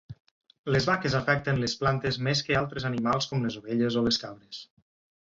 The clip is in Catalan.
Les vaques afecten les plantes més que altres animals com les ovelles o les cabres.